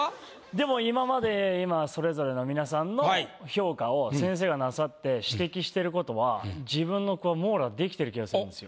でも今まで今それぞれの皆さんの評価を先生がなさって指摘してる事は自分のこう網羅できてる気がするんですよ。